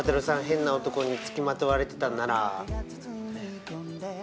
変な男に付きまとわれてたんなら。